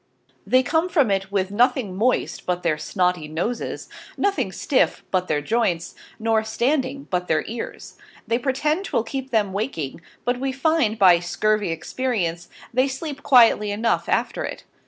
They come from it with nothing moist but their snotty Noses, nothing stiffe but their Joints, nor standing but their Ears: They pretend 'twill keep them Waking, but we find by scurvy Experience, they <<p.3>> sleep quietly enough after it.